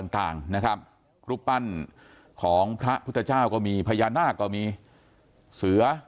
ต่างนะครับรูปปั้นของพระพุทธเจ้าก็มีพญานาคก็มีเสือ